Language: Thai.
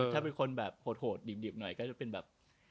ถ้าเป็นคนแบบโหดดิบหน่อยก็จะเป็นแบบ